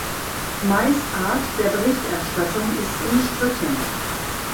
Mays Art der Berichterstattung ist umstritten.